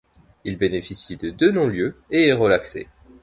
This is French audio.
Il bénéficie de deux non-lieux et est relaxé.